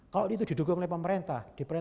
kalau itu didukung oleh pemerintah